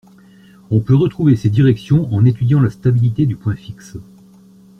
On peut retrouver ces directions en étudiant la stabilité du point fixe